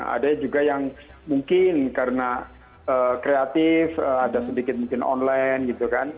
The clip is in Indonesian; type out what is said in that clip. ada juga yang mungkin karena kreatif ada sedikit mungkin online gitu kan